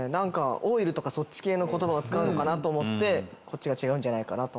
オイルとかそっち系の言葉を使うのかな？と思ってこっちが違うんじゃないかなと。